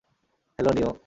Hello, নিও।